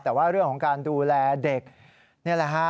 แต่ว่าเรื่องของการดูแลเด็กนี่แหละฮะ